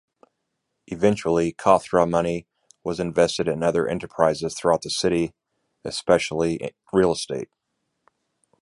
Eventually Cawthra money was invested in other enterprises throughout the city, especially real estate.